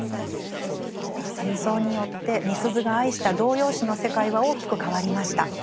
さあ戦争によってみすゞが愛した童謡詩の世界は大きく変わりました。